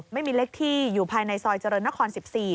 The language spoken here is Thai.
ไม่มีเล็กที่อยู่ภายในซอยเจริญนคร๑๔